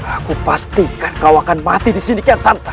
aku pastikan kau akan mati disini kian sankar